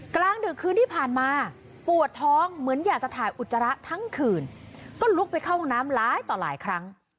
กลางดึกคืนที่ผ่านมาปวดท้องเหมือนอยากจะถ่ายอุจจาระทั้งคืนก็ลุกไปเข้าห้องน้ำหลายต่อหลายครั้ง